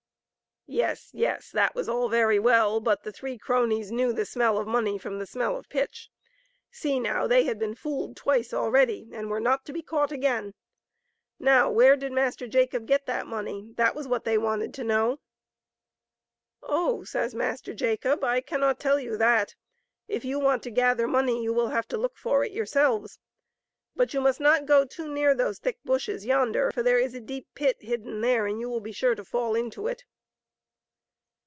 Yes, yes; that was all very well, but the three cronies knew the smell of money from the smell of pitch. See now, they had been Fooled twice already, and were not to be caught again. Now, where did Master Jacob get that money, that was what they wanted to know. " Oh," says Master Jacob, " I cannot tell you that ; if you want to gather money you will have to look for it yourselves. But you must not go too near to those thick bushes yonder, for there is a deep pit hidden there, and you will be sure to fall into it."